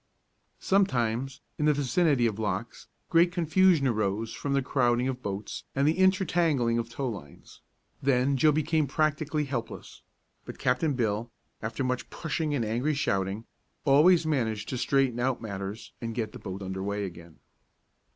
Sometimes, in the vicinity of locks, great confusion arose from the crowding of boats and the intertangling of tow lines. Then Joe became practically helpless. But Captain Bill, after much pushing and angry shouting, always managed to straighten out matters and get the boat under way again.